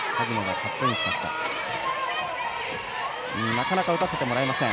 なかなか打たせてもらえません。